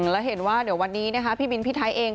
แล้วเห็นว่าเดี๋ยววันนี้นะคะพี่บินพี่ไทยเอง